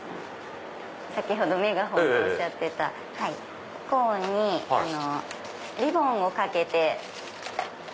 先ほどメガホンとおっしゃってたコーンにリボンを掛けて。